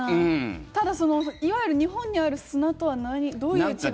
ただ、いわゆる日本にある砂とはどういう違いがあるのか。